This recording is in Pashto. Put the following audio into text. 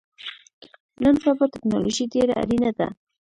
نن سبا ټکنالوژی ډیره اړینه ده